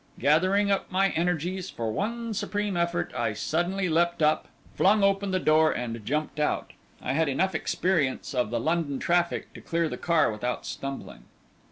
Gathering up my energies for one supreme effort, I suddenly leapt up, flung open the door, and jumped out. I had enough experience of the London traffic to clear the car without stumbling.